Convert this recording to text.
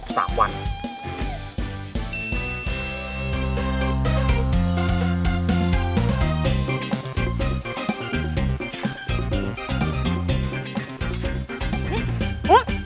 ตัวตรงนี้